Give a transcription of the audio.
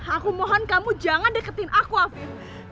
aku mohon kamu jangan deketin aku api